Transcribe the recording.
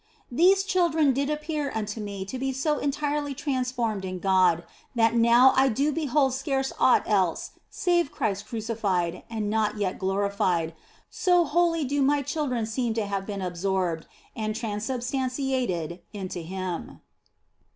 These children did appear unto me to be so entirely transformed in God that now I do behold. scarce aught else save Christ Crucified and not yet glorified, so wholly do my children seem to have been absorbed and transubstantiated into Him.